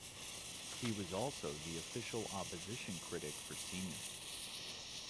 He was also the Official Opposition Critic for Seniors.